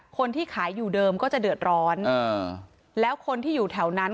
คนที่ขายอยู่เดิมก็จะเดือดร้อนอ่าแล้วคนที่อยู่แถวนั้น